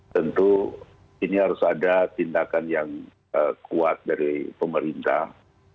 tentu ini harus ada tindakan yang kuat dari pemerintah